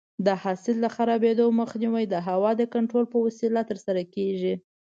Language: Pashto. د حاصل د خرابېدو مخنیوی د هوا د کنټرول په وسیله ترسره کېږي.